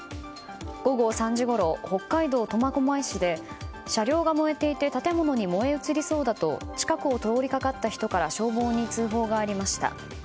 午後３時ごろ、北海道苫小牧市で車両が燃えていて建物に燃え移りそうだと近くを通りかかった人から消防に通報がありました。